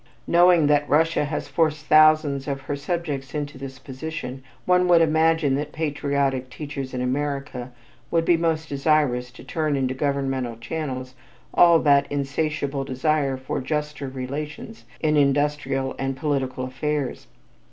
Knowing that Russia has forced thousands of her subjects into this position, one would imagine that patriotic teachers in America would be most desirous to turn into governmental channels all that insatiable desire for juster relations in industrial and political affairs.